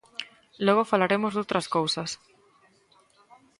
Logo falaremos doutras cousas.